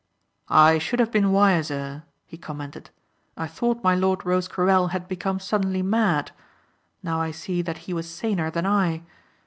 "I should have been wiser," he commented. "I thought my lord Rosecarrel had become suddenly mad. Now I see that he was saner than I.